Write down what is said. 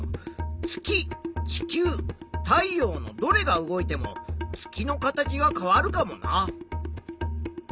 月地球太陽のどれが動いても月の形は変わるかもな。